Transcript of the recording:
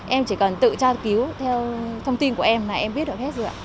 em chỉ cần tự tra cứu theo thông tin của em là em biết được hết rồi ạ